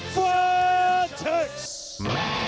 สวัสดีครับทุกคน